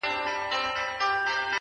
پرېږده جهاني دا د نیکه او د اباکیسې،